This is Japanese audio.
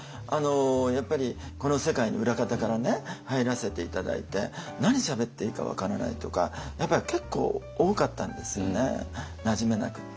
やっぱりこの世界に裏方から入らせて頂いて何しゃべっていいか分からないとかやっぱり結構多かったんですよねなじめなくって。